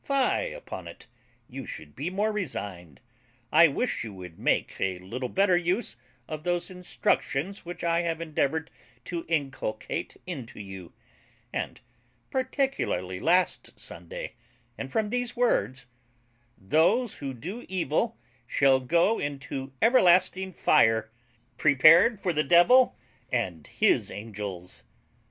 Fie upon it! You should be more resigned. I wish you would make a little better use of those instructions which I have endeavoured to inculcate into you, and particularly last Sunday, and from these words: "Those who do evil shall go into everlasting fire, prepared for the devil and his angels."